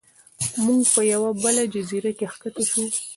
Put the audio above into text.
موږ په یوه بله جزیره کې ښکته شو.